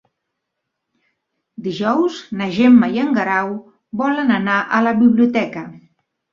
Dijous na Gemma i en Guerau volen anar a la biblioteca.